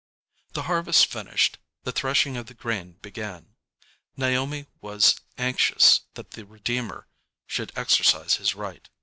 "] The harvest finished, the threshing of the grain began. Naomi was anxious that the "redeemer" should exercise his right.